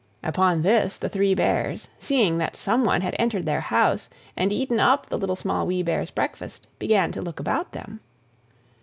Upon this the Three Bears, seeing that someone had entered their house, and eaten up the Little, Small, Wee Bear's breakfast, began to look about them.